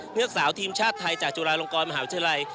เลือกสาวทีมชาติไทยจากจุฬาลงกรมหาวิทยาลัย